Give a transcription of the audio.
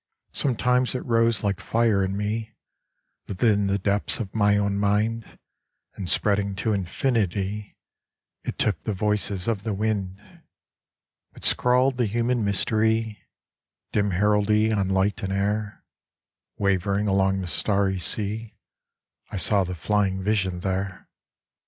Sometimes it rose like Jire in me Within the depths of my o<wn mind, And spreading to infinity, It took the voices of the 'wind : It scrawled the human mystery Dim heraldry on light and air ; Wavering along the starry sea I saw the flying vision there.